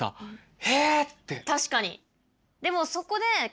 確かに。